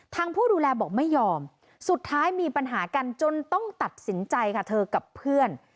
ผู้ดูแลบอกไม่ยอมสุดท้ายมีปัญหากันจนต้องตัดสินใจค่ะเธอกับเพื่อน